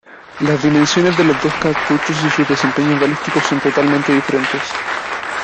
Las dimensiones de los dos cartuchos y sus desempeños balísticos son totalmente diferentes.